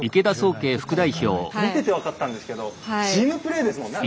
見てて分かったんですけどチームプレーですもんね。